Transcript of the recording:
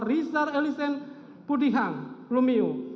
rijal elisir pudihang lumio